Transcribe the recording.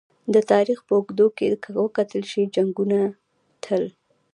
د تاریخ په اوږدو کې که وکتل شي! جنګونه تل